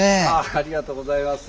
ありがとうございます。